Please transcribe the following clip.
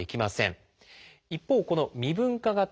一方この未分化型